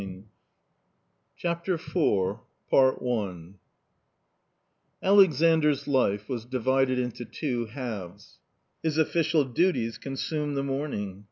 i u CHAPTER IV Alexandr's life was divided into two halves. His official duties consumed the morning.